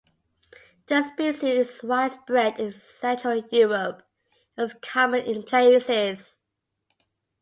The species is widespread in Central Europe and is common in places.